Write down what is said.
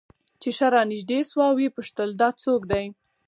چې ښه رانژدې سوه ويې پوښتل دا څوک دى.